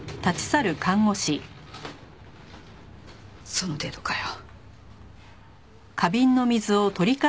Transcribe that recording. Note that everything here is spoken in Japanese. その程度かよ。